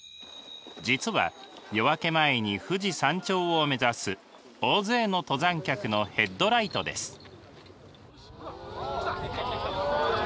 実は夜明け前に富士山頂を目指す大勢の登山客のヘッドライトです。